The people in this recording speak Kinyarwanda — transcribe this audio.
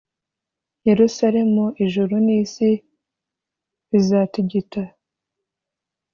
Yerusalemu Ijuru n’isi bizatigita